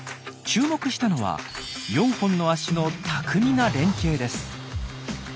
注目したのは４本の足の巧みな連係です。